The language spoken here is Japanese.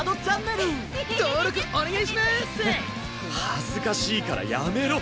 恥ずかしいからやめろ！